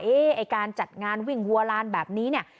ไอ้การจัดงานวิ่งวัวลานแบบนี้เนี่ย